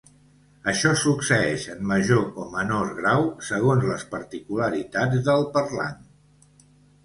Això succeeix en major o menor grau, segons les particularitats del parlant.